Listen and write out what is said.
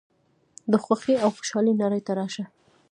د خوښۍ او خوشحالۍ نړۍ ته راشه.